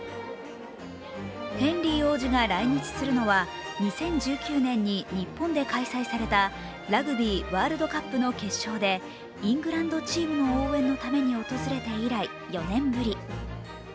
ヘンリー王子が来日するのは、２０１９年に日本で開催されたラグビーワールドカップの決勝でイングランドチームの応援のために訪れて以来４年ぶり。